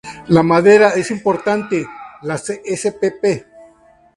La madera es importante; las spp.